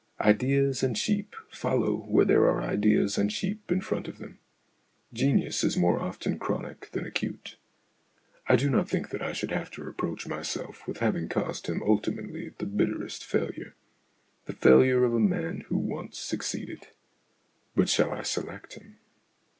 Ideas and sheep follow where there are ideas and sheep in front of them ; genius is more often chronic than acute. I do not think that I should have to reproach myself with having caused him ultimately the bitterest failure the failure of a man who once succeeded. But shall I select him